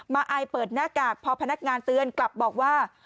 อายเปิดหน้ากากพอพนักงานเตือนกลับบอกว่า